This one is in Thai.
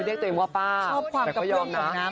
ได้ตัวเองว่าป้าชอบความกระเพื้องกับน้ำ